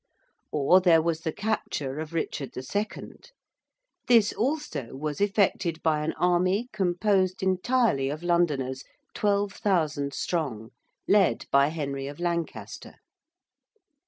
Or there was the capture of Richard II. This also was effected by an army composed entirely of Londoners 12,000 strong, led by Henry of Lancaster.